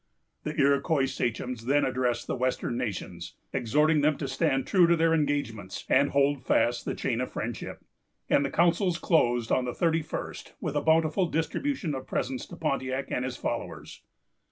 The Iroquois sachems then addressed the western nations, exhorting them to stand true to their engagements, and hold fast the chain of friendship; and the councils closed on the thirty first, with a bountiful distribution of presents to Pontiac and his followers.